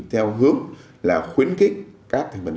theo hướng khuyến khích các doanh nghiệp